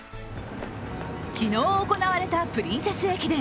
昨日行われたプリンセス駅伝。